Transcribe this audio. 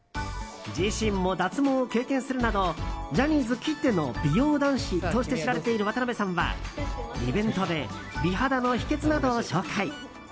自身も脱毛を経験するなどジャニーズきっての美容男子として知られている渡辺さんはイベントで美肌の秘訣などを紹介。